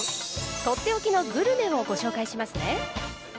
とっておきのグルメをご紹介しますね。